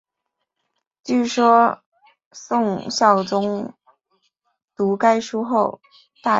据说宋孝宗读该书后大悦。